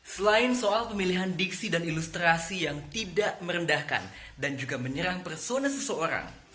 selain soal pemilihan diksi dan ilustrasi yang tidak merendahkan dan juga menyerang persona seseorang